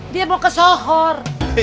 dia mau ke sohor